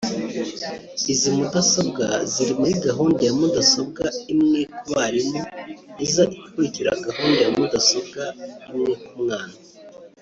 Izi mudasobwa ziri muri gahunda ya mudasobwa imwe ku barimu iza ikurikira gahunda ya mudasobwa imwe ku mwana